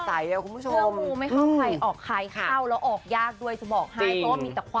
เพื่อไฟล่าใช่ค่ะใช่ค่ะ